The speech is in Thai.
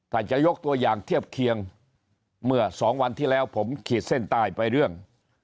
ถ้าจะยกตัวอย่างเทียบเคียงเมื่อสองวันที่แล้วผมขีดเส้นใต้ไปเรื่อง